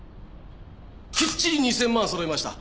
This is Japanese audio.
きっちり２０００万揃いました。